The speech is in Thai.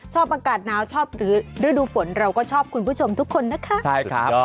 เปิดปากกับพลากภูมิวันนี้หมดเวลา